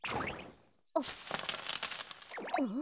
あっん？